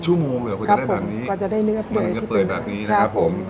ชั่วโมงเหรอคุณจะได้แบบนี้ครับผมก็จะได้เนื้อเปลยแบบนี้นะครับผมครับ